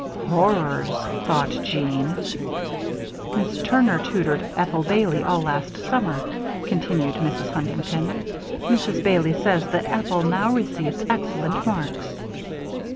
"Horrors!" thought Jeanne. "Miss Turner tutored Ethel Bailey all last summer," continued Mrs. Huntington. "Mrs. Bailey says that Ethel now receives excellent marks."